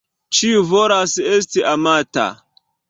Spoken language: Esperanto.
Ĉiu volas esti amata.